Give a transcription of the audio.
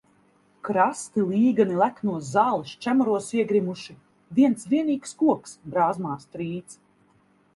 Krasti līgani leknos zāles čemuros iegrimuši, viens vienīgs koks brāzmās trīc.